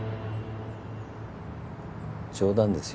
冗談ですよ。